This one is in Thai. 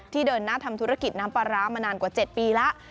เดินหน้าทำธุรกิจน้ำปลาร้ามานานกว่า๗ปีแล้ว